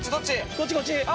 こっちこっち。